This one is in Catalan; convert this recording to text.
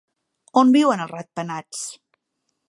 On viuen els ratpenats?